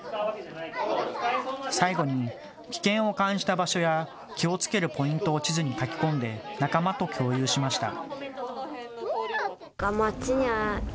最後に危険を感じた場所や気をつけるポイントを地図に書き込んで仲間と共有しました。